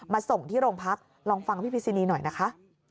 ส่งที่โรงพักลองฟังพี่พิษินีหน่อยนะคะ